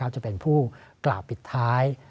จะเป็นผู้กล่าวปิดท้าย